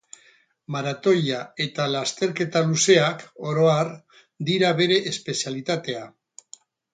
Maratoia eta lasterketa luzeak, oro har, dira bere espezialitatea.